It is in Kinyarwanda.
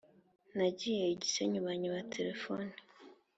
Nagiye igisenyi banyiba telephone